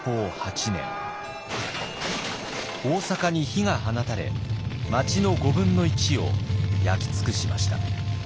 大坂に火が放たれ町の５分の１を焼き尽くしました。